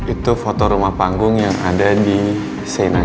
itu foto rumah panggung yang ada di senay